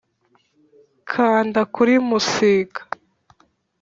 kanda kuri musika